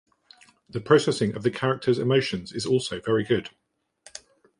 The processing of the characters’ emotions is also very good.